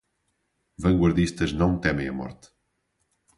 Vanguardistas não temem a morte